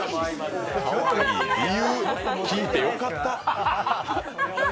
かわいい理由、聞いてよかった。